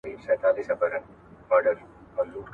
ټولي پروژي چي تر کار لاندي وي، فلج سوي.